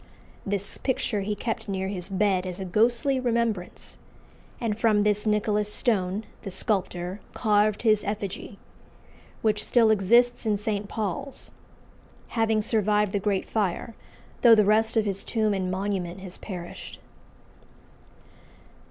This picture he kept near his bed as a ghostly remembrance, and from this Nicholas Stone, the sculptor, carved his effigy, which still exists in St. Paul's, having survived the Great Fire, though the rest of his tomb and monument has perished.